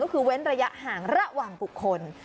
ก็คือเว้นระยะห่างระหว่างบุคคล